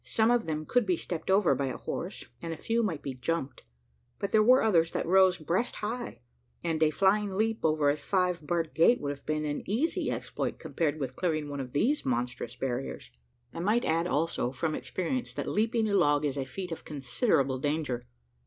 Some of them could be stepped over by a horse, and a few might be "jumped," but there were others that rose breast high; and a flying leap over a five barred gate would have been an easy exploit, compared with clearing one of these monstrous barriers. I might add, also, from experience, that leaping a log is a feat of considerable danger.